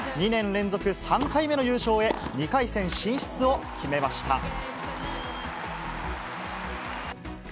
２年連続３回目の優勝へ、２回戦進出を決めました。